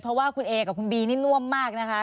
เพราะว่าคุณเอกับคุณบีนี่น่วมมากนะคะ